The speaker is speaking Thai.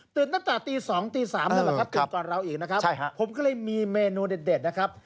ตื่นตั้งแต่ตี๒๓แล้วเหรอครับตื่นก่อนเราอีกนะครับ